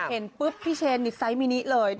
เห็นปุ๊บพี่เชนนี่ไซส์มินิเลย